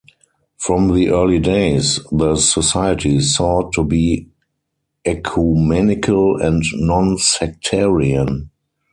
From the early days, the Society sought to be ecumenical and non-sectarian.